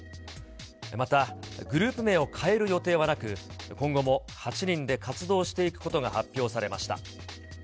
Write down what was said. また、グループ名を変える予定はなく、今後も８人で活動していくことが発表されました。